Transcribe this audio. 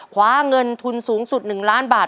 ขวางเงินทุนสูงสุดหนึ่งล้านบาท